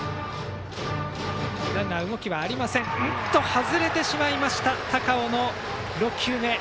外れてしまった高尾の６球目。